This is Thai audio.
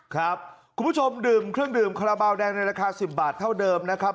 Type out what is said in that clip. คุณผู้ชมดื่มเครื่องดื่มคาราบาลแดงในราคา๑๐บาทเท่าเดิมนะครับ